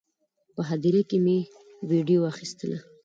په هدیره کې مې ویډیو اخیستله.